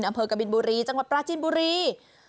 อำเภอกบินบุรีจังหวัดปราจินบุรี